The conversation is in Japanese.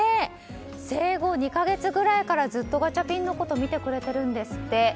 生後２か月ぐらいからずっとガチャピンのことを見てくれてるんですって。